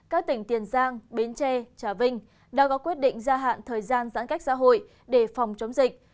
các tỉnh tiền giang bến tre trà vinh đã có quyết định gia hạn thời gian giãn cách xã hội để phòng chống dịch